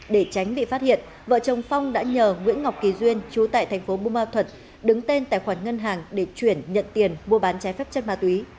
để tránh bị phát hiện vợ chồng phong đã nhờ nguyễn ngọc kỳ duyên chú tại thành phố bù ma thuật đứng tên tài khoản ngân hàng để chuyển nhận tiền mua bán trái phép chất ma túy